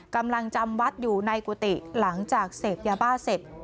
กำลังจำวัดอยู่ในกุฏิหลังจากเสพยาบาเสพ